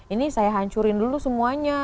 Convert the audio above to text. ini saya hancurin dulu semuanya